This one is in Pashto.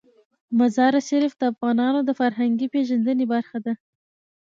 مزارشریف د افغانانو د فرهنګي پیژندنې برخه ده.